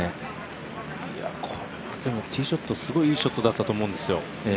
これはでもティーショットすごいいいショットだったと思うんですよ。